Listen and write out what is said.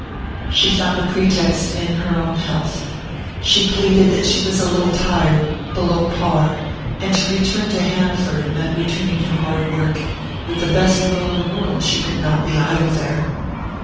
She found a pretext in her own health. She pleaded that she was a little tired, below par...and to return to Hanaford meant returning to hard work; with the best will in the world she could not be idle there.